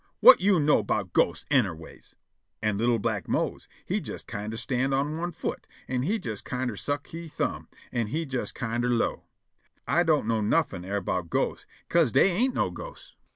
whut you know 'bout ghosts, anner ways?" An' li'l' black Mose he jes kinder stan' on one foot, an' he jes kinder suck' he thumb, an' he jes kinder 'low': "I don't know nuffin' erbout ghosts, 'ca'se dey ain't no ghosts."